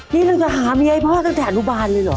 นี่หนึ่งก็หาเมียให้พ่อตั้งแต่อนุบาลเลยเหรอ